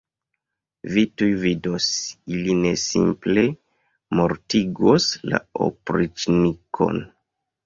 Vi tuj vidos, ili ne simple mortigos la opriĉnikon.